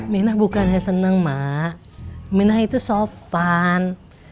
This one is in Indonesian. minah bukannya senang mak minah itu sopan